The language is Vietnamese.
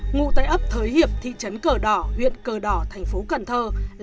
ngụ tại ấp thới hiệp thị trấn cờ đỏ huyện cần thơ